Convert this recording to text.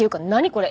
これ。